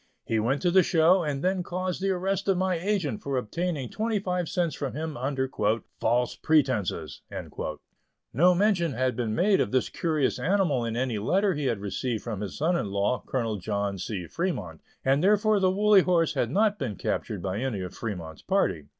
He went to the show, and then caused the arrest of my agent for obtaining twenty five cents from him under "false pretences." No mention had been made of this curious animal in any letter he had received from his son in law, Colonel John C. Fremont, and therefore the Woolly Horse had not been captured by any of Fremont's party.